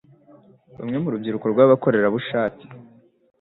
Bamwe mu rubyiruko rw'abakorerabushake